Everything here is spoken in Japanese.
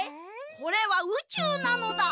これはうちゅうなのだ！